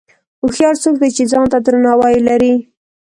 هوښیار څوک دی چې ځان ته درناوی لري.